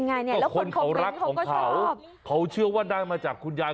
ได้เลยที่คนเขารักเขาเขาเชื่อจะได้มาจากคุณยาย